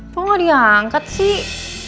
kok gak diangkat sih